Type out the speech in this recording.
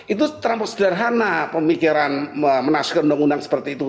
itu terlalu sederhana pemikiran menasukkan undang undang seperti itu